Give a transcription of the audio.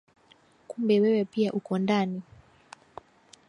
Kumbe wewe pia uko ndani.